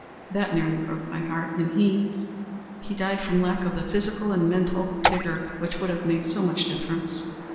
That nearly broke my heart, and he he died from lack of the physical and mental vigor which would have made so much difference.